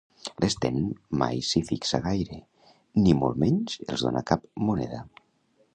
L'Sten mai no s'hi fixa gaire, ni molt menys els dóna cap moneda.